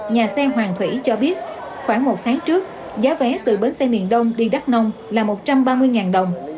nhà xe hoàng thủy cho biết khoảng một tháng trước giá vé từ bến xe miền đông đi đắk nông là một trăm ba mươi đồng